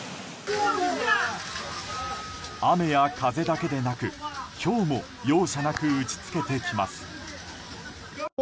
雨や風だけでなく、ひょうも容赦なく打ち付けてきます。